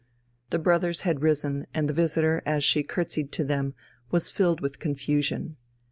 The brothers had risen, and the visitor, as she curtseyed to them, was filled with confusion.